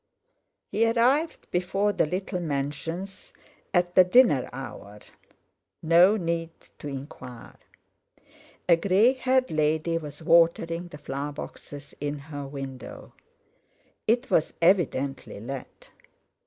He arrived before the little Mansions at the dinner hour. No need to enquire! A grey haired lady was watering the flower boxes in her window. It was evidently let.